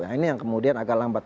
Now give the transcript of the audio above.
nah ini yang kemudian agak lambat